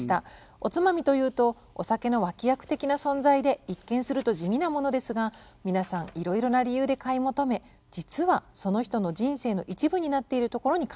おつまみというとお酒の脇役的な存在で一見すると地味なものですが皆さんいろいろな理由で買い求め実はその人の人生の一部になっているところに感動しました」。